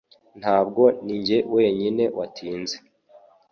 Ntabwo ninjye wenyine watinze